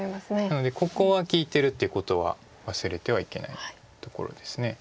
なのでここは利いてるってことは忘れてはいけないところです。